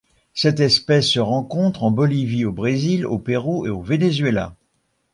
Cette espèce se rencontre en Bolivie, au Brésil, au Pérou et au Venezuela.